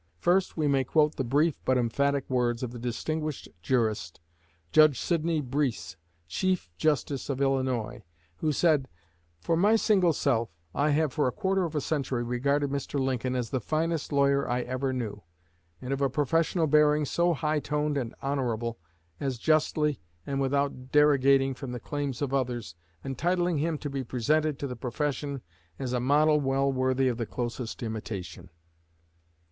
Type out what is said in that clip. First we may quote the brief but emphatic words of the distinguished jurist, Judge Sidney Breese, Chief Justice of Illinois, who said: "For my single self, I have for a quarter of a century regarded Mr. Lincoln as the finest lawyer I ever knew, and of a professional bearing so high toned and honorable, as justly, and without derogating from the claims of others, entitling him to be presented to the profession as a model well worthy of the closest imitation."